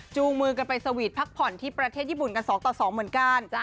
มือกันไปสวีทพักผ่อนที่ประเทศญี่ปุ่นกัน๒ต่อ๒เหมือนกัน